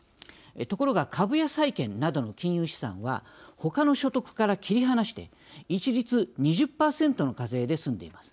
ところが株や債券などの金融資産はほかの所得から切り離して一律２０％の課税で済んでいます。